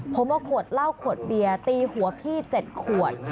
ผมเอาขวดเหล้าขวดเบียร์ตีหัวพี่๗ขวด